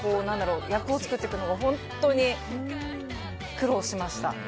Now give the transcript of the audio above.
役を作っていくのが本当に苦労しました。